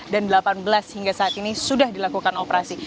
dan delapan belas hingga saat ini sudah dilakukan operasi